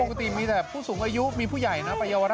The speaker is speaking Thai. ปกติมีแต่ผู้สูงอายุมีผู้ใหญ่นะไปเยาวราช